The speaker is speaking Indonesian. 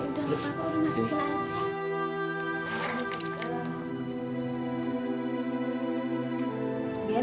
udah pak aku masukin aja